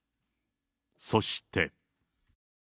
そして。